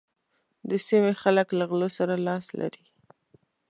د سيمې خلک له غلو سره لاس لري.